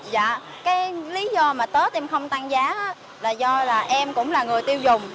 dạ cái lý do mà tết em không tăng giá là do là em cũng là người tiêu dùng